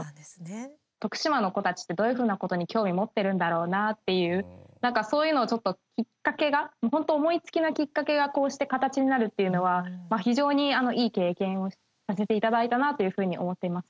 徳島の子たちってどういうふうなことに興味持ってるんだろうなっていうそういうのをちょっときっかけが本当、思いつきのきっかけがこうして形になるっていうのは非常にいい経験をさせていただいたなというふうに思っています。